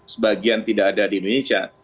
sebagian tidak ada di indonesia